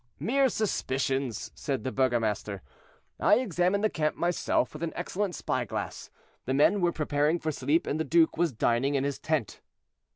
"Mere suspicions," said the burgomaster; "I examined the camp myself with an excellent spy glass. The men were preparing for sleep, and the duke was dining in his tent."